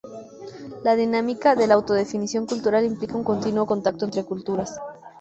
La dinámica de la auto-definición cultural implica un continuo "contacto entre culturas".